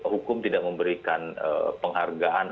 hukum tidak memberikan penghargaan